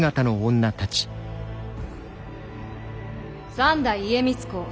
・三代家光公